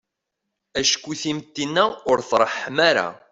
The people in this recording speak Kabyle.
Acku timetti-nneɣ ur treḥḥem ara.